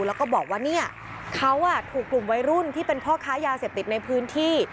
แล้วก็บอกว่าเนี่ยเขาถูกกลุ่มวัยรุ่นที่เป็นพ่อค้ายาเสพติดในพื้นที่